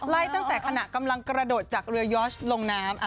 ตั้งแต่ขณะกำลังกระโดดจากเรือยอร์ชลงน้ำ